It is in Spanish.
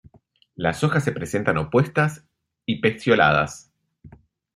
Las hojas se presentan opuestas y pecioladas.